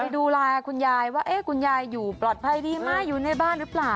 ดูแลคุณยายว่าคุณยายอยู่ปลอดภัยดีไหมอยู่ในบ้านหรือเปล่า